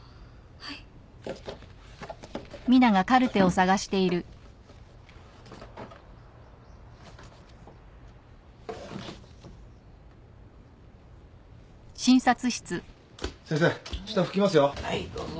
はいどうぞ。